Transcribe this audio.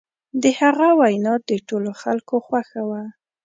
د هغه وینا د ټولو خلکو خوښه وه.